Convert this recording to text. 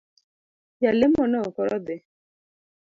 Jalemono koro dhii.